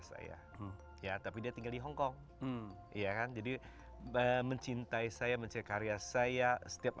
saya ya tapi dia tinggal di hongkong iya kan jadi mencintai saya mencari karya saya setiap